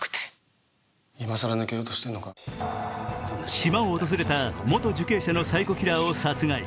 島を訪れた元受刑者のサイコキラーを殺害。